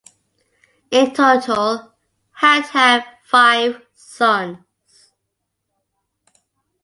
In total, had had five sons.